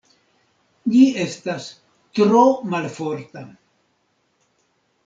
Ĝi estas tro malforta.